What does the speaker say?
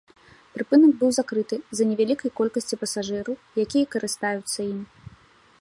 Прыпынак быў закрыты з-за невялікай колькасці пасажыраў, якія карыстаюцца ім.